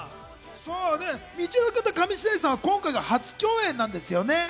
道枝君と上白石さんは今回が初共演なんですよね。